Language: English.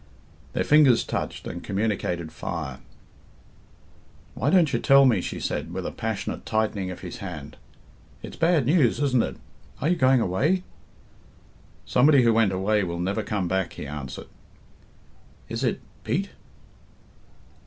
Their fingers touched, and communicated fire. "Why don't you tell me?" she said, with a passionate tightening of his hand. "It's bad news, isn't it? Are you going away?" "Somebody who went away will never come back," he answered. "Is it Pete?"